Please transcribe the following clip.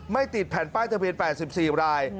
ติดแผ่นป้ายทะเบียน๘๔ราย